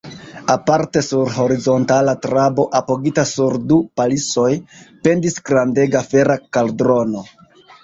Aparte sur horizontala trabo, apogita sur du palisoj, pendis grandega fera kaldrono.